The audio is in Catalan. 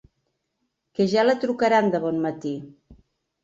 Que ja la trucaran de bon matí.